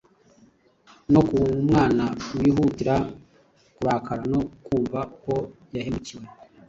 No ku mwana wihutira kurakara no kumva ko yahemukiwe,